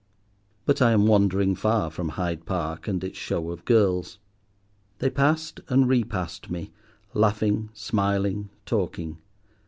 But I am wandering far from Hyde Park and its show of girls. They passed and re passed me, laughing, smiling, talking.